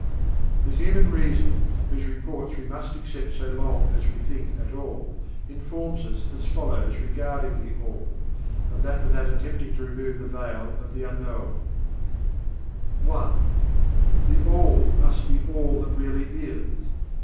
The human reason, whose reports we must accept so long as we think at all, informs us as follows regarding THE ALL, and that without attempting to remove the veil of the Unknowable: (1) THE ALL must be ALL that REALLY IS.